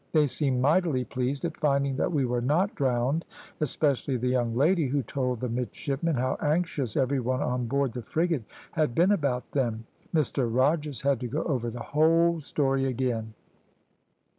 They seemed mightily pleased at finding that we were not drowned; especially the young lady, who told the midshipmen how anxious every one on board the frigate had been about them. Mr Rogers had to go over the whole story again.